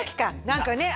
何かね